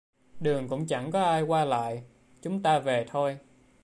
Đường cũng chẳng có ai qua lại, chúng ta về thôi